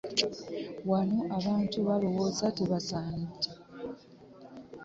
Wano abantu balowooza tebasaanidde.